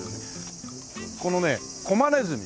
このね狛ネズミ。